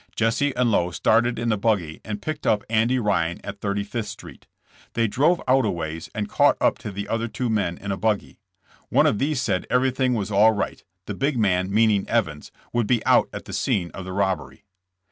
Jesse and Lowe started in the buggy and picked up Andy Ryan at Thirty fifth street. They drove out a ways and caught up to the other two men in a buggy. One of these said everything was all right, the big man meaning Evans, would be out at the scene of the robbery.